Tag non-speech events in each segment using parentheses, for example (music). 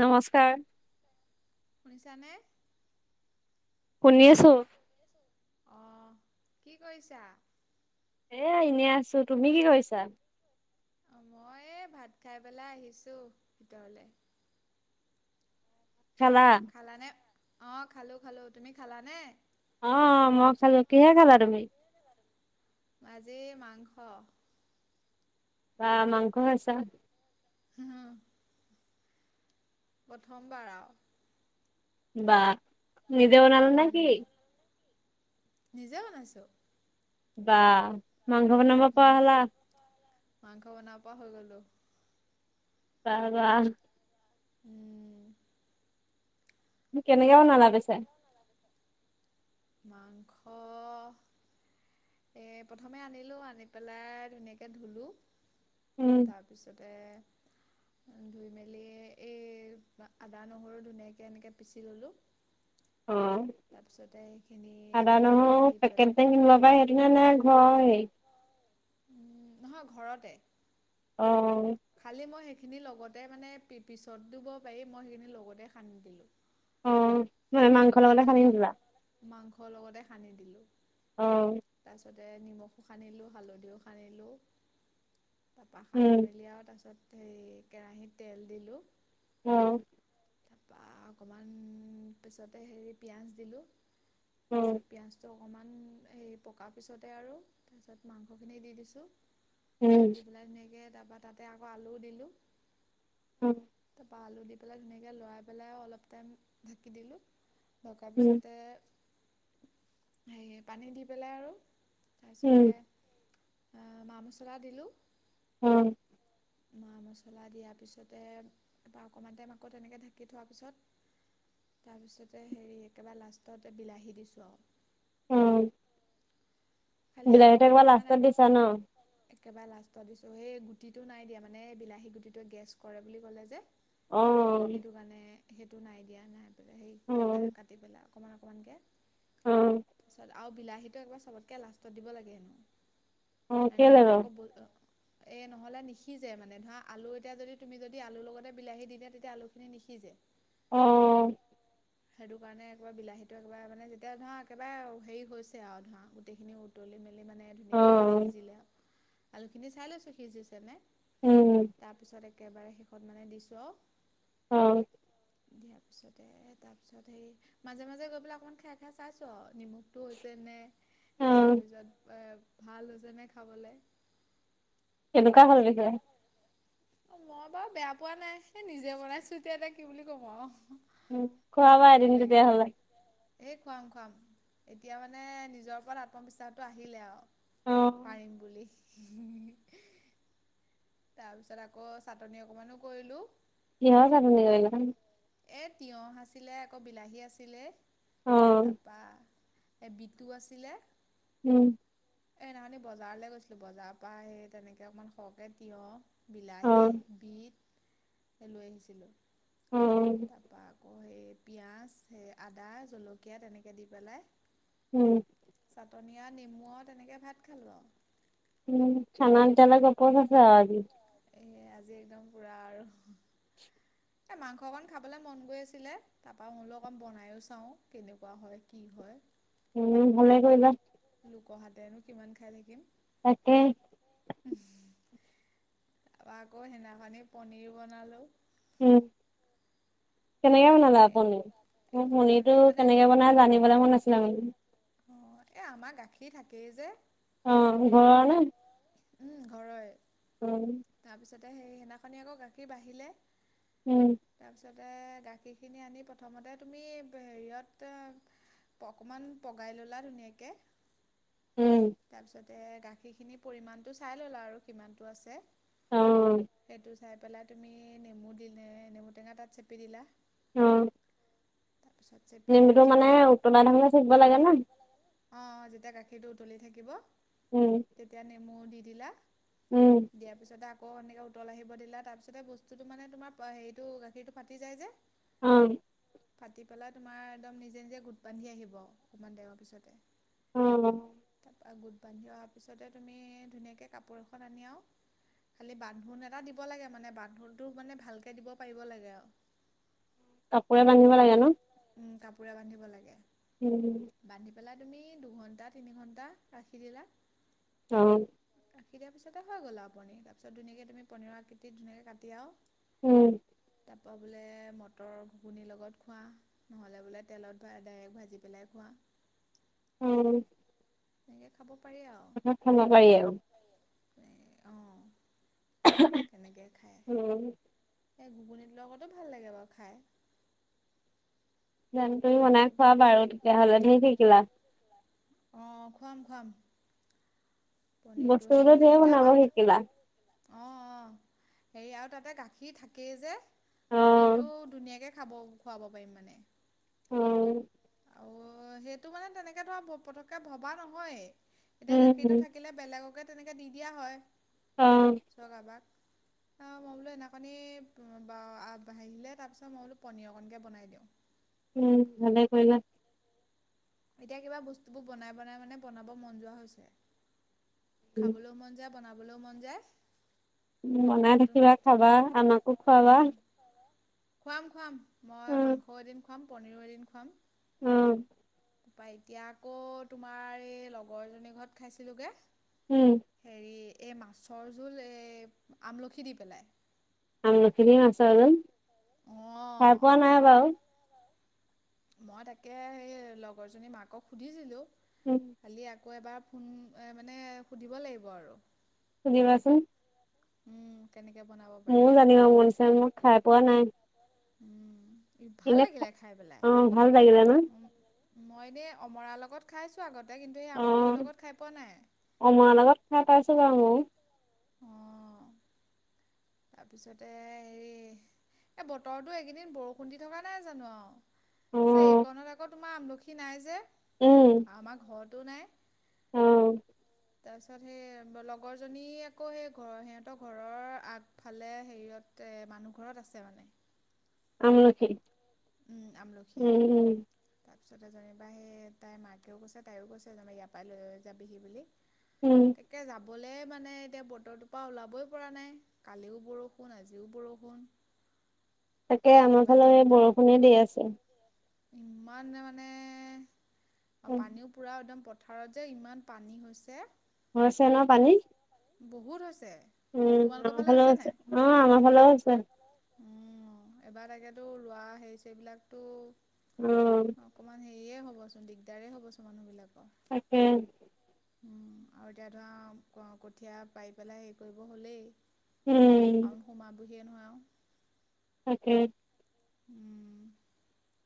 নমস্কাৰ! শুনিছা নে? শুনছো। অহ কি কৰিছা? এ এনেই আছো তুমি কি কৰিছা? অ মই এই ভাত খাই পেলাই আহিছো ভিতৰলে। খালা অ খালো খালো তুমি খালাানে? অ মই খালো, কিহে খালা তুমি? আজি মাংস। বাঃ মাংস খাইছা। হম প্ৰথমবাৰ আৰু। বাঃ নিজেও বনালা‌ নেকি? উম নিজে বনাইছো। বাঃ মাংখ বনাব পোৱাহলা (unintelligible) মাংসাও বনাব পাৰা হৈ গলো বাহ বাহ উম কেনেকে বনালাপিছে মাংস এই প্ৰথমে আনিলোঁ আনি পেলাই ধুনীয়াকে ধুলোঁ উম তাৰপিছতে ধুই মেলি এই আদা নহৰু ধুনীয়াকে এনেকে পিচি ললোঁ অঁ তাৰপিছতে সেইখিনি আদা দিলোঁ নহৰু দি পেকেট পেলাই যে ল' প সেইদিনা নে ঘৰ উম নহয় ঘৰতে অ খালি মই সেই খিনি লগতে মানে পিছত দিব পাৰি মই সেইখিনি লগতে সানি দিলো অ ম মাংস লগত খানি নি দিবা মাংস লগতে সানি দিলো আহ তাতে নিমখো সানিলোঁ হালধিও সানিলোঁ তাৰপা উম সানি মেলি আৰু তাৰপিছত হেৰি কেৰাহিত তেল দিলো আহ তাৰপা অকমান পিছত তা হেৰি পিঁয়াজ দিলোঁ তাৰ অ পিছত পিয়াজটো অকণমান হেৰি পকাৰ পিছতে আৰু তাৰপিছত মাংসখিনি দি দিছোঁ উম দীপলাই ধুনীয়াকে তাৰাপা তাতে আকৌ আলুও দিলো উম ত আলু দি পেলাই ধুনে লৰাই পেলাই অলপ টাইম ঢাকি দিলো (unintelligible) ডকাৰ উম পিছতে (unintelligible) সে পানী দি পেলাই আৰু তাৰপিছতে উম মা মছলা দিলোঁ উম মা মছলা দিয়াৰ পিছতে তপৰা অকণমান টাইম আকৌ তেনেকৈ ঢাকি থোৱাৰ পিছত তাৰপিছতে হেৰি একেবাৰে লাষ্টত বিলাহী দিছোঁ আৰু উম খালি বিলাহীতো অকণমান একেবাৰে অকণমান লাষ্টত দিছা ন একেবাৰে লাষ্টত দিছোঁ সেই গুটিটো নাই দিয়া মানে এই বিলাহী গুটিটোৱে গেছ কৰে বুলি ক'লে যে আহ সেইটো কাৰণে সেইটো নাই দিয়া নাই। সেইটা কাটি পেলাই- অকণমান অকণমানকৈ অ চ বিলাহীটোবাৰবতকৈ লা (unintelligible) দিব লাগে হেনো অ ন কেলে নহলে বাৰু? আকৌ ব এ নহলে নিসিজে মানে ধৰা আলু এতিয়া যদি তুমি যদি আলুৰ লগতে বিলাহী দি দিয়া তেতিয়া আলুখিনি নিসিজে- আহ সেইটো কাৰণে একেবাৰে বিলাহীটো একেবাৰে মানে যেতিয়া ধৰা একেবাৰে হেৰি হৈছে আৰু ধৰা গোটেই খিনি উতলি- মানে অ ধুনীয়াকৈ সেই সিজিলে আৰু- আলু খিনি চাই লৈছো সিজিছে নাই- উম তাৰপিছত এক- একেবাৰে শেষত মানে দিছো অ- অ দিয়াৰ পিছতে তাত- তাৰিছত হৰি মাজে মাজে গৈ পেললে অকনমান খাই খাই চাইছো নিমখটো হৈছেনে অ তাৰপিছত ভাল হৈছেনে খাবলৈ- এনেকুৱা হল গৈ (unintelligible) ছে- অ মই বাৰু বেয়া পোৱা নাই এ নিজে বনাইছো এতিয়া এয়া কি বুলি কব অ- উম খোৱা বা আৰু তেন্তে এদিন তেতিয়া হলে এই খুৱাম খুৱাম এতিয়া মানে নিজৰ ওপৰত আত্মবিশ্বাসটো আহিলে অ আৰু- পাৰিম বুলি- উম তাৰ পিছত আকৌ চাটনি অকমানো কৰিলো- কিহৰ চাটনি কৰিলি - এ তিঁয়হ আছিলে আকৌ বিলাহী আছিলে। অ তাৰপৰা এ বিতু আছিলে উম এ নখনি বজাৰলৈ গৈছিলো বজাৰৰ পৰা আহি তেনেকে অকমান সৰকে তিয়হ অ বিলাহী বিট লৈ আহিছিলো অ তাৰপৰা আকৌ সেই পিঁয়াজ স আদা জলকীয়া তেনেকে দি পেলাই- উম টনীয়া নিমোৱত তেনেকে ভাত খালো আৰু। উম চানা তেতিয়া হ'লে গপচ হৈছে আৰু আজি। এইে আজি একদম পোৰা আৰু (inaudible) এ মাংস অকণ খাবলৈ মন গৈ আছিলে। তাৰপৰা মই বোলো অকণ বনাইও চাওঁ কেনেকুৱা হয় কি হয়। উম ভালে কৰিলা। লোকৰ হাতেৰেনো কিমান খাই থাকিম। তাকে। তাৰপৰা আকৌ সেইদিনাখনি পনিৰ বনালো। উম কেনেকে বনালে এই আপোনি? মোৰ পনিৰ টো পনীৰ মানে কেনেকে বনাই জানিবলৈ মন আছিল তাৰমানে। অঁ এ আমাৰ গাখীৰ থাকেই যে। অ ঘৰৰ নে? উম ঘৰৰে। উম সেই তাৰপিছতে সেইনাখনি আকৌ গাখীৰ বাঢ়িলে উম তাৰপিছতে গাখীৰখিনি আনি প্ৰথমতে তুমি হেৰিয়ত অকণমান পগাই ল'লা ধুনীয়াকে, উম তাৰপিছত তে গাখীৰখিনিৰ পৰিমণটো চাই ল'লা আৰু কিমানটো আছে। অ', সেইটো চাই পেলাই তুমি নেমু দিলে নেমু টেঙা তাত চেপি দিলা, তুমি অঁ চেপি দিয়াৰ নেমুটো পিছত মানে আকৌ উতলা থাকোঁতে চেপিব লাগে না? অ অ যেতিয়া গাখীৰটো উতলি থাকিব উম, তেতিয়া নে মো দি দিলা, উম, দিয়াৰ পিছত আকৌ এনেকে উতল আহিব দিলা তাৰপিছতে বস্তুতটো মানে তোমাৰ হেৰিটো গখীৰ টো ফাটি যায় যে, উম ফাতি পেলাই তোমাৰ একদম নিজে নিজে গোট বান্ধি আহিব অকমান দেৰি পিছতে। অঁ। গোট বান্ধি অহাৰ পিছতে তুমি ধুনীয়া কাপোৰ এখন আনি আৰু খালি বান্ধোন এটা দিব লাগে মানে বান্ধোনটো মানে ভালকৈ দিব পাৰিব লাগে আৰু। কাপোৰে বান্ধিব লাগে ন? উম কাপোৰে বান্ধিব লাগে। উম হ পেলা তুমি দুঘণ্টা তিনি ঘণ্টা ৰাখি দিলা অ ৰাখি দিয়াৰ পিছতে হৈ গল আৰু পনীৰ তাৰ পিছতুনাকে তুম পীৰৰ কটিত ধুনীয়াক কাটি আৰু- উম তাৰপৰা বোলে মটৰ ঘুগুনীৰ লগত খোৱা নহ'লে বোলে তেলত ডাইৰেক্ট ভাজি পেলাই খোৱা উম এনেকে খাব পাৰি আৰু খ নালাৰ আৰু অঁ কেনেকৈ খায় উম এই ঘুগুনিতৰ লগতো ভাল লাগে বাৰু খাই জান তুমি বনাই পনীৰটো খোৱা বাৰু তেতিয়াহলে ধি থাকিলা আহ খুৱাম খুৱাম পনিৰটো হেই বস্তুবোৰো ধেৰ বনাব এমাৰ শিকিলা অ আহ হেৰি আৰু তাতে গাখীৰ থাকেই যে অ', পনিৰ টো ধুনীয়াকে খাব খুৱাব পাৰিম মানে অ', অ সেইটো মানে তেনেকৈ ধৰা পটককৈ ভবা নহয়েই এতিয়া গাখীৰটো উম, থাকিলে বেলেগকে তেনেকে দি দিয়া হয় অ', চকাবাক অ মই বোলো এনাকণী হেৰিলে তাৰপিছত মই বোলো পনীৰৰ অকণকৈ বনাই দিওঁ উম ভালেই কৰিলা এতিয়া কিবা বস্তুবোৰ বনাই বনাই মানে বনাব মন যোৱা হৈছে খাবলৈও মন যায় বনাবলৈও মন যায় নতুন বনাই নতুন থাকিবা বস্তু খাবা আমাকো খুৱাবা উম খুৱাম খুৱাম মই মাংস এদম খুৱাম পনিৰৰ এ দিন খুৱাম উম তপা এতিয়া আকৌ তোমাৰ এই লগৰজনীৰ ঘৰত খাইছিলোোগে উম, হেৰি এই মাছৰ জোল এই আমলখি দি পেলাই আমলখিনি মাছোন অঁ চাই পোৱা নাই বাৰু মই তাকে সেই লগৰজনী মাকক সুধিছিলো উম আল আকৌ এবাৰ ফোন এ মানে সুধিব লাগিব আৰু শুনিবাছুন। উম। কেনেকৈ বনাব পাৰি মোৰও জানিব মনচ মই খাই পোৱা নাই। উম। ভাল এনে লাগিলে খাই পেলাই। অ ভাল লাগিলে ন মই এনে অমৰাৰ লগত খাইছো আগত। অ অমাৰ লগত খাই পাইছো বাও মই। অ। তাৰপিছতে হেৰি এই বতৰটোো এইকেইদিন বৰষুণ দি থকা নাই জানো আও। অ চ এইকণনৰ আগত। তোমাৰ আমলখি নাই যে। আমাৰ ঘৰত। তটো নাই। অহ। তাৰপিছত সেই লগৰজনী আকৌ সেই ঘৰৰ সিহঁতৰ ঘৰৰ আগফালে হেৰিত মানুহ ঘৰত আছে মানে। আমলক্ষি। উম। তাৰ পিছতে যেনিবা সেই তাইৰ মাকেও কৈছে তাইও কৈছে যেনা ইয়াৰ পৰা লৈ যাবিহি বুলি। উম তাকে যাব। বলে মানে এতিয়া বতৰটোৰ পৰা ওলাবই পৰা নাই কালিও বৰষুণ আজিও বৰষুণ। তাকে আমাৰ একেবাৰে ফালৰ এই দিনটো বৰষুণে দি আছে। ইমান মানে। অ পানীও পুৰা একদম প্ৰথম। পথাৰত যে ইমান পানী হৈছে। হৈছে ন পানী। বহুত হৈছে। উম তোমালোকৰ আমাৰ ফালে ভাল হৈছে আছে নাই অ আমাৰ ফালে হৈছে। উম এবাৰ তাকেতো লোৱা সেইচবিলাকতো। অ অকমান হেৰিয়ে হ'ব। কচোন দিগদাৰে হব চ মানুহবিলক। তাকে। উম আৰু এতিয়া ধৰা কঠীয়া পাৰি পেলাই হেৰি কৰিব হ'লেই। উম। সিকয়ে নহয় আও। তাকে। উম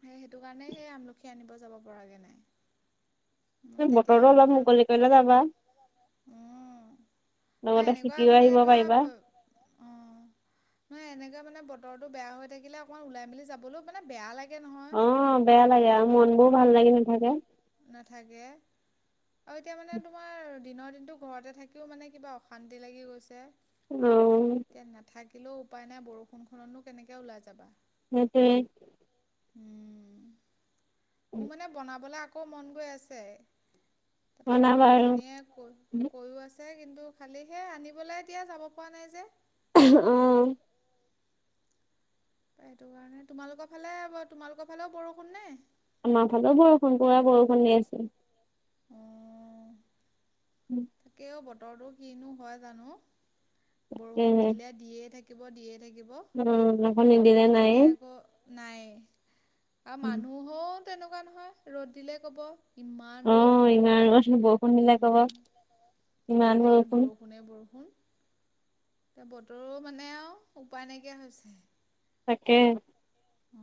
সেই সেইটো কাৰণে সেই আমলখি আনিব যাব পৰাগৈ নাই। মোক তেতিয়া বতৰো অলপ আমলখি অনা মুকলি কৰিলে যাবা। উম আৰু লগতে এনেকুৱা চাইটিও মানে আহিব ধৰা পাৰিবা অ নহ এনেকাে মানে বতৰটো বেয়া হৈ থাকিলে অকণমান ওলাই মিলি যাবলৈ মানে বেয়া লাগে নহয় অ বেয়া লাগে আৰু মানুহ মন বোৰ ভাল লাগি নাথাকে নাথাকে আৰু এতিয়া মানে তোমাৰ দিনৰ দিনটো ঘৰতে থাকিও মানে কিবা অশান্তি লাগি গৈছে উম থাকিলেও উপায় নাই বৰষুণখননো কেনেকে ওলাই যাবা সেইটো উম মোৰ মানে বনাবলৈ আকৌ মন গৈ আছে তাৰপা বনাবা লগৰ আৰু জনীয়ে কৈ কৈও আছে কিন্তু খালি সেই আনিবলৈ এতিয়া যাব পৰা নাই যে আহ সেইটো কাৰণে তোমালোকৰ ফালে তোমালোকৰ ফালেও বৰষুণ নে আমাৰ ফালে বৰষুণ পুৰা বৰষুণ দি আছে উম বতৰটো কিনো হয় জানো বৰষুণ তাকেহে দিলে দিয়ে থাকে থাকিব দিয়ে থাকিব উম আকৌ নিদিলে নাই নাই আৰু মানুহ হ তেনেকুৱা নহয় ৰ'দ দিলে কব ইমান অ ৰ'দ ইমান ৰ'দ কোনবিলাক কব উম ইমান বৰষুণ এ বতৰো মানে আৰু উপায় নাইকিয়া হৈছে তাকে অ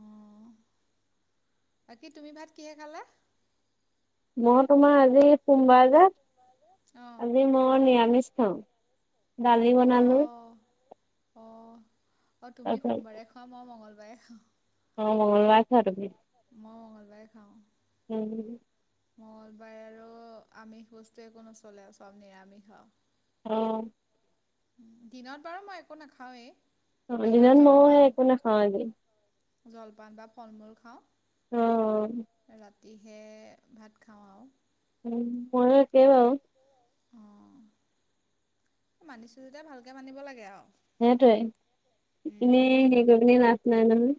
বাকী তুমি ভাত কিহে খালা মই তোমাৰ আজি সোমবাৰ যে অঁ আজি মই নিৰামিষ অ দালি বনালো অ তুমি তাৰপিছত সোমবাৰে খোৱা মই মংগলবাৰে বাই অ মঙলবাৰে খোৱা তুমি মই মঙলবাৰে খাওঁ উম। মঙলবাৰে আৰু আমি হুষ্টেখুনো চলাই আছো আৰু আমি হব। অ। দিনত বাৰু মই একো নাখাওৱেই। অ দিনত মই একো নাখাওঁ আজি। জলপান বা ফল মূল খাওঁ। অ এৰাত। ৰাতিহে ভাত খাওঁ আউ। উম মই একেই আউ। অ মানিছো যেতিয়া ভালকে মানিব লাগে আউ। সেইটোৱে এনেই সে কৰি পিনি লাভ। নাই মানে।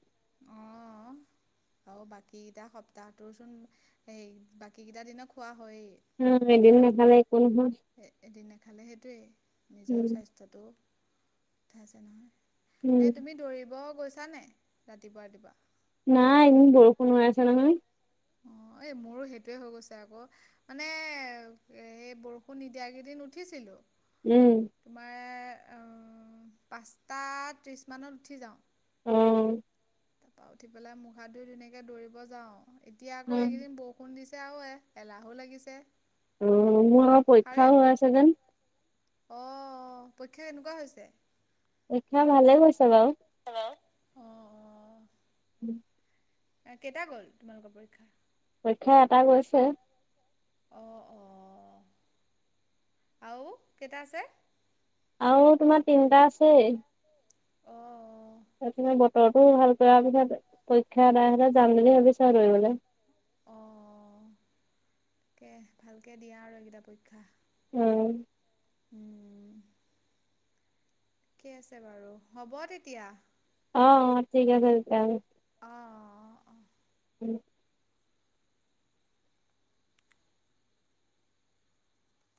অ বাকী কেইটা সপ্তাহটোৰ চোন সেই বাকি কেইটা দিনত খোৱা। হয়েই উম এদিন নাখালে একো নহয়। খালে সেইটোৱেই। নিজৰ উম, স্বাস্থ্যটো। খাইছে নহয়। উম, এ তুমি দৌৰিব। কৈছা নে ৰাতিপুৱা ৰাতিপুৱা। নাই এইকেদিন বৰষুণ হৈ আছে নহয়। অ এই মোৰো সেইটোৱে হৈ গৈছে আকৌ মানে সেই বৰষুণ নিদিয় কেইদিন উঠিছিলো। উম, তোমাৰ। অ পাঁচটা ত্ৰিছ মমানত উঠি যাওঁ। উম। তাপা উঠি পেলাই মুখ হাত ধুই ধুনীয়াকে দৌৰিব যাও। এতিয়া আকৌ উম, এইকেইদিন বৰষুণ দিছে। এয়াও এ এলাহো লাগিছে। উম মোৰ আও পৰীক্ষাও হয় আছে যেন। অহ অ পৰীক্ষা কেনেকুৱা হৈছে? পৰীক্ষা ভালে কৈছা বাউ। অক অ অ। (unintelligible) কেইটা গ'ল তোমালোকৰ পৰীক্ষা? পৰীক্ষা এটা গৈছে। অ অ আও কেইটা আছে। আও তোমাৰ তিনিটা আছেই। অ অ। বতৰ টো ভাল কৰাৰ পিছত পৰীক্ষা এদায় হলে যাম বুলি ভাবিছো আৰু দৌৰিবলে। অ তাকে ভালকে দিয়া আৰু এইকেইটা পৰীক্ষা। উম। উম। কি আছে বাৰু, হ'ব তেতিয়া। অ অ ঠিক আছে তেতিয়াহলে। অ অ অ। উম